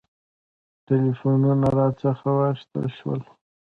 ټلفونونه راڅخه واخیستل شول.